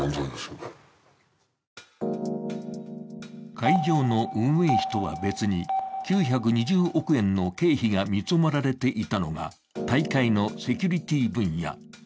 会場の運営費とは別に、９２０億円の経費が見積もられていたのが大会のセキュリティー分野。